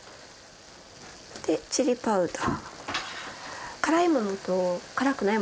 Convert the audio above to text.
でチリパウダー。